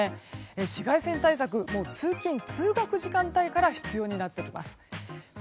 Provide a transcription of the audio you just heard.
紫外線対策通勤・通学時間帯から必要になってきます。